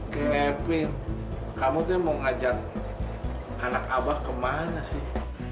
kevin kamu tuh mau ngajak anak abah kemana sih